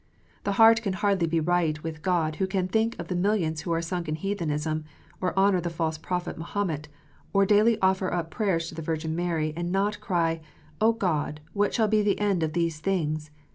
That heart can hardly be right with God which can think of the millions who are sunk in heathenism, or honour the false prophet Mahomet, or daily offer up prayers to the Virgin Mary, and not cry, "0 my God, what shall be the end of these things